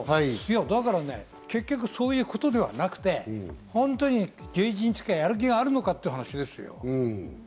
結局そういうことではなくて、本当に１１日からやる気があるのかという話ですよ。